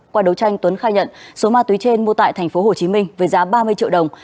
qua đấu tranh tuấn khai nhận số ma túy trên mua tại tp hcm với giá ba mươi triệu đồng